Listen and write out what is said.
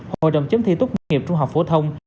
hội đồng chấm thi tốt nghiệp trung học phổ thông